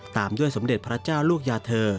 ตามด้วยสมเด็จพระเจ้าลูกยาเธอ